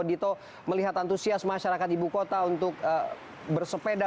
dito melihat antusias masyarakat ibu kota untuk bersepeda